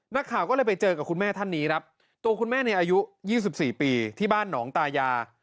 นักข่าวก็เลยไปเจอกับคุณแม่ท่านนี้ครับตัวคุณแม่เนี่ยอายุ๒๔ปีที่บ้านหนองตายา